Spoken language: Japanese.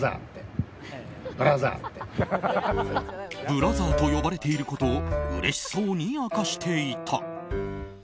ブラザーと呼ばれていることをうれしそうに明かしていた。